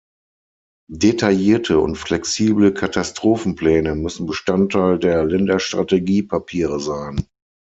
Detaillierte und flexible Katastrophenpläne müssen Bestandteil der Länderstrategiepapiere sein.